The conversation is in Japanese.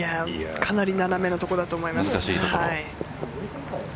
かなり斜めのところだと思います。